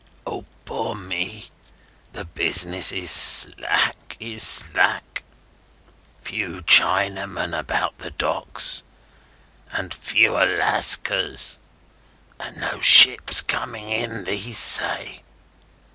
Ah, poor me, the business is slack, is slack! Few Chinamen about the Docks, and fewer Lascars, and no ships coming in, these say!